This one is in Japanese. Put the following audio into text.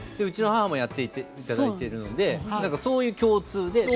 うちの母もやって頂いているのでそういう共通で。